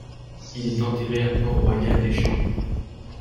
Il est enterré à Port-Royal des Champs.